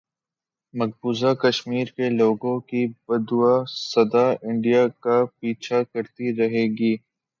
مقبوضہ کشمیر کے لوگوں کی بددعا سدا انڈیا کا پیچھا کرتی رہے گی